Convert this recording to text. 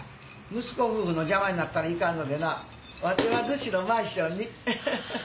息子夫婦の邪魔になったらいかんのでなわては逗子のマンションに。